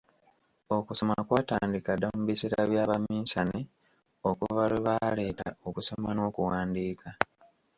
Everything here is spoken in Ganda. Okusoma kwatandika dda mu biseera by’abaminsane okuva lwe baaleeta okusoma n’okuwandiika.